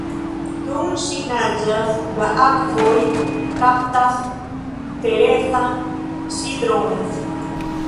Dum ŝi naĝas, la akvoj kaptas Terezan, ŝi dronas.